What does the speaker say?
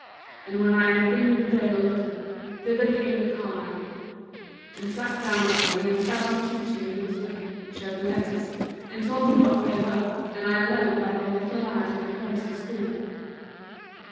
And when I had been in the dale a little, thither came the carline, and sat down by me and fell to teaching me wisdom, and showed me letters and told me what they were, and I learned like a little lad in the chorister's school.